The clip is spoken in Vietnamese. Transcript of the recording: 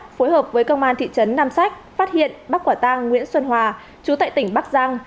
phối hợp với công an thị trấn nam sách phát hiện bắt quả tang nguyễn xuân hòa chú tại tỉnh bắc giang